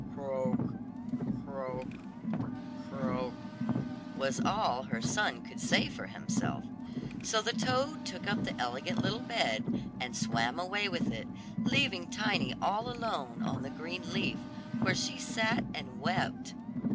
"Croak, croak, croak," was all her son could say for himself; so the toad took up the elegant little bed, and swam away with it, leaving Tiny all alone on the green leaf, where she sat and wept.